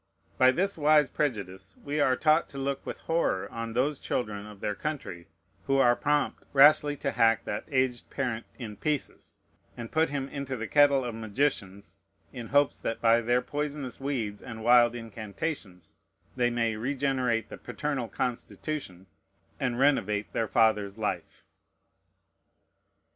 By this wise prejudice we are taught to look with horror on those children of their country who are prompt rashly to hack that aged parent in pieces and put him into the kettle of magicians, in hopes that by their poisonous weeds and wild incantations they may regenerate the paternal constitution and renovate their father's life.